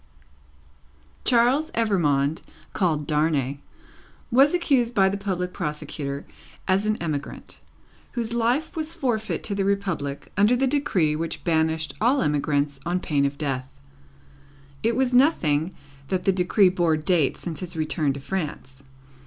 Charles Evrémonde, called Darnay, was accused by the public prosecutor as an emigrant, whose life was forfeit to the Republic, under the decree which banished all emigrants on pain of Death. It was nothing that the decree bore date since his return to France.